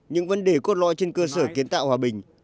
những vấn đề cốt lõi trên cơ sở kiến tạo hòa bình